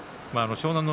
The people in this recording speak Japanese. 湘南乃